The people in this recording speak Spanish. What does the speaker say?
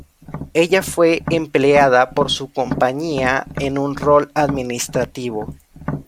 Ella fue empleada por su compañía en un rol administrativo.